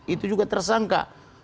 itu juga tersangka